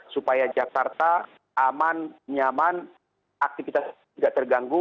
supaya jakarta aman nyaman aktivitas tidak terganggu